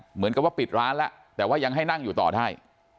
เหมือนกับว่าปิดร้านแล้วแต่ว่ายังให้นั่งอยู่ต่อได้